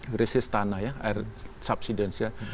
krisis tanah ya air subsidence ya